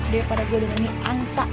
daripada gue denger nih angsa